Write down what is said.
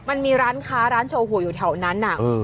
มันมีร้านค้าร้านโชว์หัวอยู่แถวนั้น